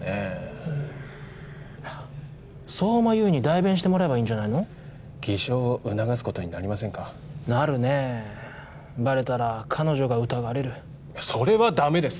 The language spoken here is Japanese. うん相馬悠依に代弁してもらえばいいんじゃないの偽証を促すことになりませんかなるねえバレたら彼女が疑われるそれはダメです！